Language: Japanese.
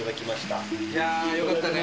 伊達：よかったね！